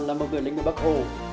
là một người lính bắc hồ